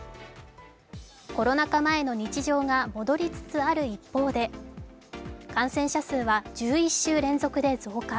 コロナ禍前の日常が戻りつつある一方で感染者数は１１週連続で増加。